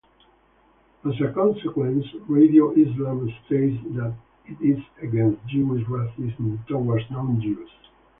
As a "consequence", Radio Islam states that it is "against Jewish racism towards non-Jews".